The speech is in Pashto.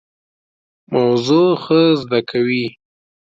موضوع ښه زده کوي.